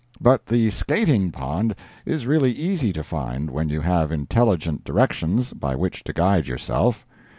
But the Skating Pond is really easy to find when you have intelligent directions by which to guide yourself.